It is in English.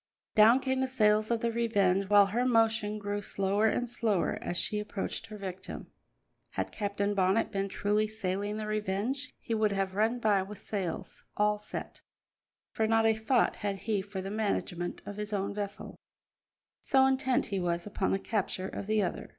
Down came the sails of the Revenge, while her motion grew slower and slower as she approached her victim. Had Captain Bonnet been truly sailing the Revenge, he would have run by with sails all set, for not a thought had he for the management of his own vessel, so intent he was upon the capture of the other.